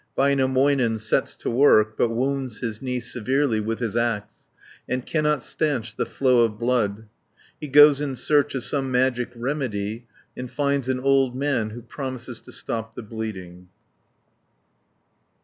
Väinämöinen sets to work, but wounds his knee severely with his axe, and cannot stanch the flow of blood (133 204). He goes in search of some magic remedy and finds an old man who promises to stop the bleeding (205 282).